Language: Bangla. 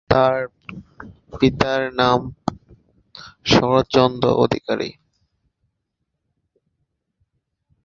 তার পিতার নাম শরৎচন্দ্র অধিকারী।